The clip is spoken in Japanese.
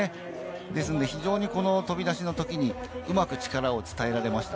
ですので、飛び出しの時にうまく力を伝えられました。